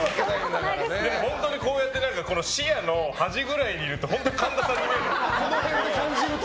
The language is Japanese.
本当にこうやって視野の端ぐらいにいると本当に神田さんに見えてくる。